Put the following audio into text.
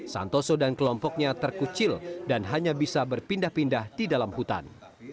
santoso dan kelompoknya terkucil dan hanya bisa berpindah pindah di dalam hutan